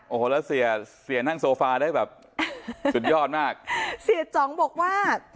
โอ้โหแล้วเสียเสียนั่งโซฟาได้แบบสุดยอดมากเสียจ๋องบอกว่า